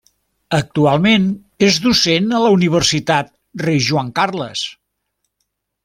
Actualment és docent a la Universitat Rei Joan Carles.